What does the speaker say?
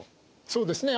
そうですね。